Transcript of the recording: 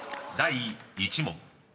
［第１問］